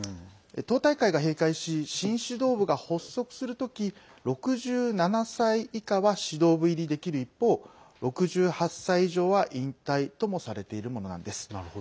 党大会が閉会し新指導部が発足するとき６７歳以下は指導部入りできる一方６８歳以上は引退ともされているものなんです。